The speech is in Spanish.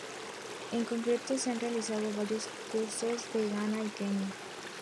En concreto, se han realizado varios cursos en Ghana y Kenia.